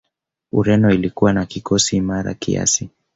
ureno ilikuwa na kikosi imara kiasi